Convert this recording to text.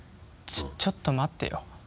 ちょっと待ってよ。